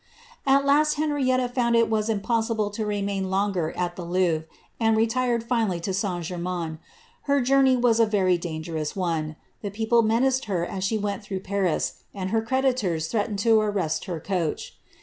Ai laiSt Henrietta foond it was impossible to remain longer at the Lou vre* Mid fctired finally to Sl Germains. Her journey was a very dan gerous one ; the people menaced her as she wont through Paris, and her creditors threatened to arrest her coach.